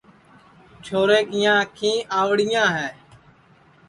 چھورے کِیاں آنکھیں آؤڑِیاں ہے